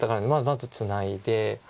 まずツナいで。